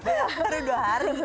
baru dua hari